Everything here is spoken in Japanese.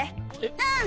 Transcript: うん！